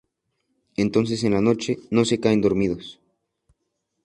Entonces en la noche, no se caen dormidos.